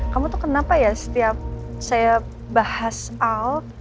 kamu tuh kenapa ya setiap saya bahas al